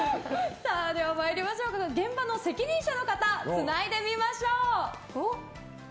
現場の責任者の方つないでみましょう！